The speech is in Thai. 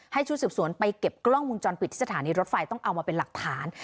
ชุดสืบสวนไปเก็บกล้องมุมจรปิดที่สถานีรถไฟต้องเอามาเป็นหลักฐาน